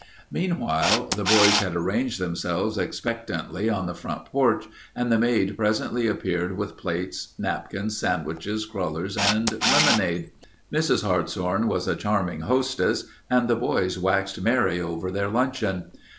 Meanwhile the boys had arranged themselves expectantly on the front porch and the maid presently appeared with plates, napkins, sandwiches, crullers, and lemonade. Mrs. Hartshorn was a charming hostess and the boys waxed merry over their luncheon.